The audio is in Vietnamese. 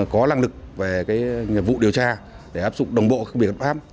có lăng lực về cái vụ điều tra để áp dụng đồng bộ các biện pháp